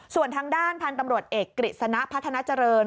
ส่วนทางด้านพันธุ์ตำรวจเอกกฤษณะพัฒนาเจริญ